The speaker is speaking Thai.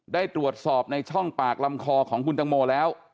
ได้ตรวจสอบในช่องปากลำคอของคุณตังโมแล้ว